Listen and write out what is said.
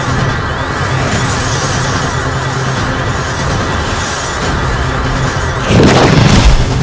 rai jangan berlalu